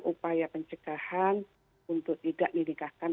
upaya pencegahan untuk tidak dinikahkan